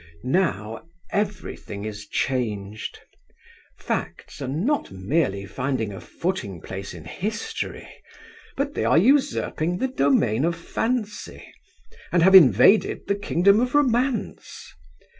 Now, everything is changed. Facts are not merely finding a footing place in history, but they are usurping the domain of Fancy, and have invaded the kingdom of Romance.